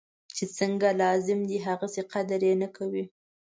چی څنګه لازم دی هغسې قدر یې نه کوي.